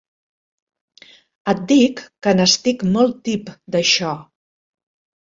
Et dic que n'estic molt tip d'això.